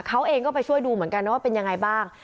เขาเองก็ไปช่วยดูเหมือนกันนะว่าเป็นยังไงบ้าง